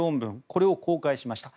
これを公開しました。